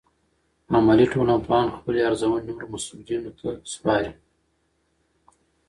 عملي ټولنپوهان خپلې ارزونې نورو مسؤلینو ته سپاري.